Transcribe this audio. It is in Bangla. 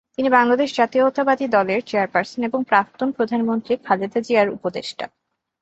তিনি বাংলাদেশ জাতীয়তাবাদী দলের চেয়ারপারসন এবং প্রাক্তন প্রধানমন্ত্রী খালেদা জিয়ার উপদেষ্টা।